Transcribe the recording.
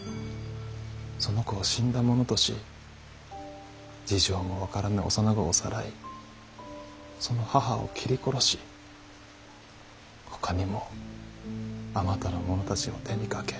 その子を死んだ者とし事情も分からぬ幼子をさらいその母を切り殺しほかにもあまたの者たちを手にかけ。